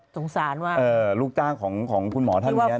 สงสารว่าคือว่าเป้าอยู่นะลูกจ้างของคุณหมอท่านเนี่ย